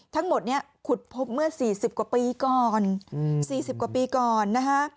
ทั้งหมดเนี้ยขุดพบเมื่อสี่สิบกว่าปีก่อนอืมสี่สิบกว่าปีก่อนนะคะ